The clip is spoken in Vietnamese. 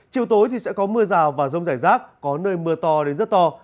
chiều tối thì sẽ có mưa rào và rông rải rác có nơi mưa to đến rất to